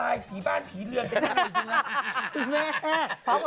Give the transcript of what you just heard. ได้เสื้อจากอเมริกา